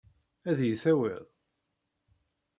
Ad iyi-tawiḍ?